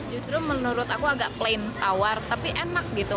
justru menurut aku agak plain tawar tapi enak gitu